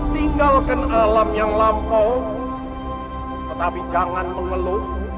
tinggalkan alam yang lampau tetapi jangan mengeluh